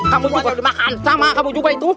kamu juga dimakan sama kamu juga itu